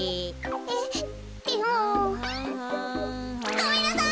ごめんなさい！